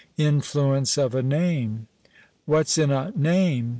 INFLUENCE OF A NAME. What's in a NAME?